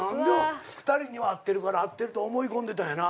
２人には会ってるから会ってると思い込んでたんやな。